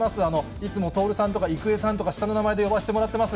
いつも徹さんとか郁恵さんとか下の名前で呼ばせてもらってます。